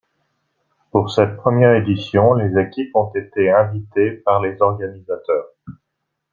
Pour cette première édition les équipes ont été invitées par les organisateurs.